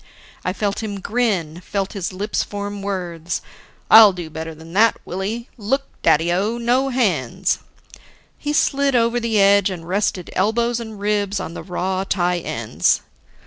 I felt him grin, felt his lips form words: "I'll do better than that, Willie. Look, Daddy o, no hands!" He slid over the edge and rested elbows and ribs on the raw tie ends.